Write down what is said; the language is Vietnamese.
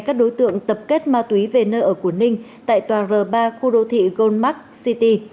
các đối tượng tập kết ma túy về nơi ở của ninh tại tòa r ba khu đô thị goldmark city